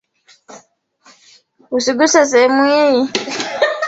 Usiguse sehemu hii.